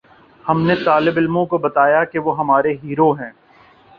ہم نے طالب علموں کو بتایا کہ وہ ہمارے ہیرو ہیں۔